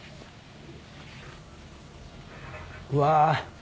うわ。